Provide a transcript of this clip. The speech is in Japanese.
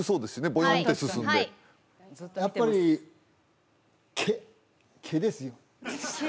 ボヨンって進んでやっぱり毛毛ですよ・毛？